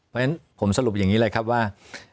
ผมสรุปอย่างนี้เลยครับว่า